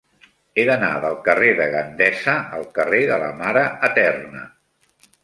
He d'anar del carrer de Gandesa al carrer de la Mare Eterna.